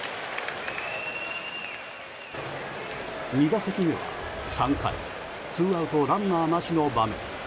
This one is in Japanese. ２打席目は３回ツーアウトランナーなしの場面。